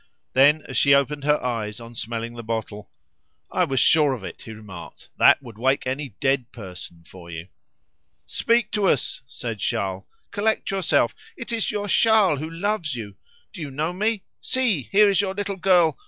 Then as she opened her eyes on smelling the bottle "I was sure of it," he remarked; "that would wake any dead person for you!" "Speak to us," said Charles; "collect yourself; it is your Charles, who loves you. Do you know me? See! here is your little girl!